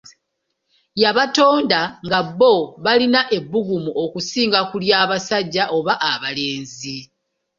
Yabatonda nga bo balina ebbugumu okusinga ku lya basajja oba abalenzi.